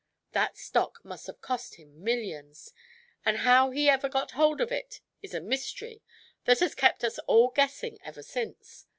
That stock must have cost him millions, and how he ever got hold of it is a mystery that has kept us all guessing ever since.